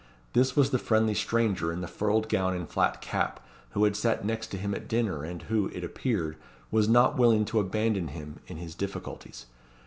This was the friendly stranger in the furred gown and flat cap, who had sat next him at dinner, and who, it appeared, was not willing to abandon him in his difficulties.